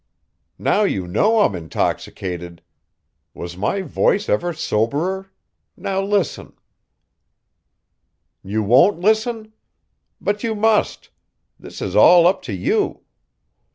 Now you know I'm intoxicated? Was my voice ever soberer now listen. You won't listen? But you must. This is all up to you.